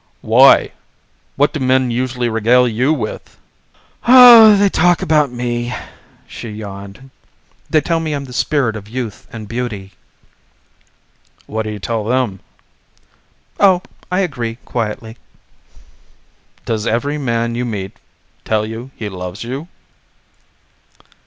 "Why? What do men usually regale you with?" "Oh, they talk about me," she yawned. "They tell me I'm the spirit of youth and beauty." "What do you tell them?" "Oh, I agree quietly." "Does every man you meet tell you he loves you?"